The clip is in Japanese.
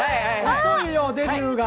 遅いよ、デビューが。